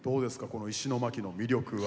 この石巻の魅力は。